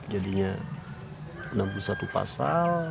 jadinya enam puluh satu pasal